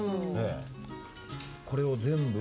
これを全部？